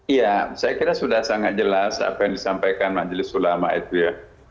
iya saya kira sudah sangat jelas apa yang disampaikan majelis ulama itu ya